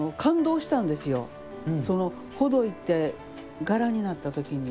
ほどいて柄になった時に。